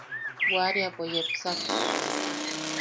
Waariapo yepsak.